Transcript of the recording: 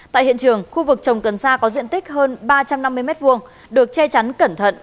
tại hiện trường khu vực trồng cần sa có diện tích hơn ba trăm năm mươi m hai được che chắn cẩn thận